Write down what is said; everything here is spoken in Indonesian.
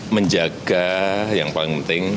menjaga yang paling penting